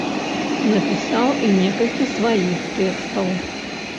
Напісаў і некалькі сваіх тэкстаў.